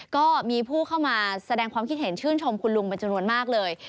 ก็มีผู้เข้ามาแสดงความคิดเห็นชื่นชมคุณลุงเป็นจำนวนมากเลย